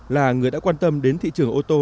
là người đã quan tâm đến thị trường ô tô